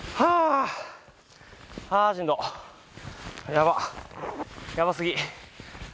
やばやばすぎ。